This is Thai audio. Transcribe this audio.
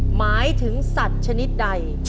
หมายถึงสัตว์ชนิดใด